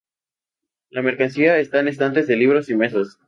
La mercancía está en estantes de libros y mesas.